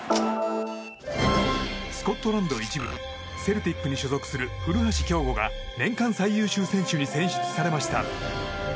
スコットランド１部セルティックに所属する古橋亨梧が年間最優秀選手に選出されました。